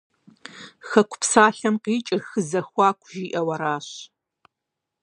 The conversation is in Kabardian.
«Хэку» псалъэм къикӀыр «хы зэхуаку» жиӀэу аращ.